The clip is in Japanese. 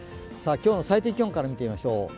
今日の最低気温から見てみましょう。